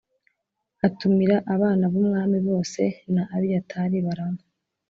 atumira abana b umwami bose na Abiyatari baranywa